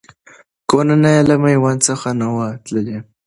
کورنۍ یې له میوند څخه نه وه تللې.